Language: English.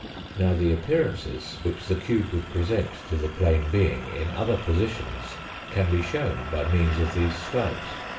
Now the appearances which the cube would present to the plane being in other positions can be shown by means of these slabs.